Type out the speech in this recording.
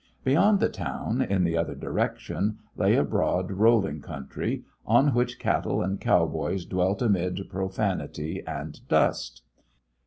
Beyond the town, in the other direction, lay a broad, rolling country, on which cattle and cowboys dwelt amid profanity and dust.